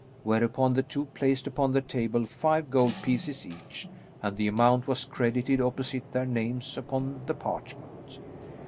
Whereupon the two placed upon the table five gold pieces each, and the amount was credited opposite their names upon the parchment.